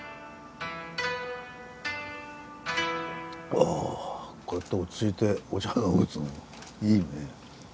あぁこうやって落ち着いてお茶飲むっつうのもいいね。